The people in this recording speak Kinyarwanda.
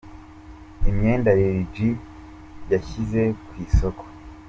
Imyenda Lil G yashyize ku isoko .